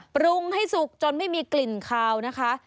ปรุงให้สุกจนไม่มีกลิ่นคาวนะคะ